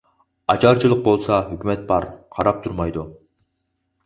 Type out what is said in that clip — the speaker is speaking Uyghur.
ئاچارچىلىق بولسا ھۆكۈمەت بار، قاراپ تۇرمايدۇ.